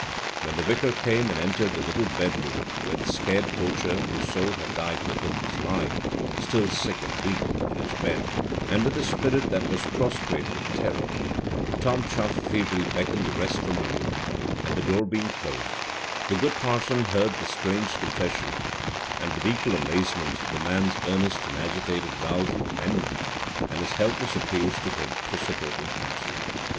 When the vicar came and entered the little bedroom where the scared poacher, whose soul had died within him, was lying, still sick and weak, in his bed, and with a spirit that was prostrate with terror, Tom Chuff feebly beckoned the rest from the room, and, the door being closed, the good parson heard the strange confession, and with equal amazement the man's earnest and agitated vows of amendment, and his helpless appeals to him for support and counsel.